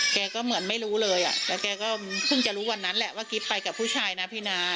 แกก็เหมือนไม่รู้เลยอ่ะแล้วแกก็เพิ่งจะรู้วันนั้นแหละว่ากิ๊บไปกับผู้ชายนะพี่น้า